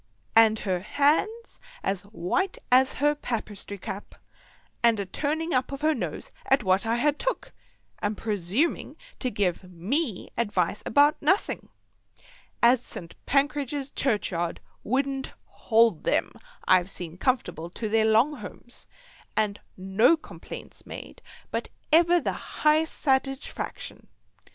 And her hands as white as her papistry cap, and she a turning up of her nose at what I had took, and a presuming to give me advice about nussing, as St. Pancradge's Churchyard wouldn't hold them I've seen comfortable to their long homes, and no complaints made but ever the highest satigefaction.